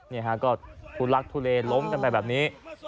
เนี่ยฮะก็คุณลักษณ์ทุเรลล้มกันไปแบบนี้